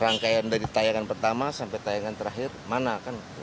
rangkaian dari tayangan pertama sampai tayangan terakhir mana kan